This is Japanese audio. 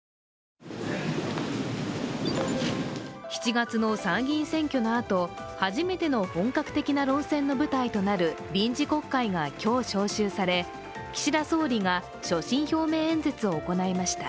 ７月の参議院選挙のあと初めての本格的な論戦の舞台となる、臨時国会が今日召集され、岸田総理が所信表明演説を行いました。